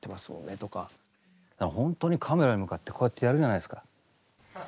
だからほんとにカメラに向かってこうやってやるじゃないすか。